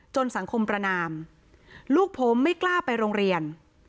สังคมประนามลูกผมไม่กล้าไปโรงเรียน